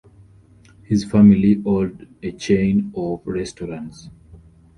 His family owed a chain of restaurants.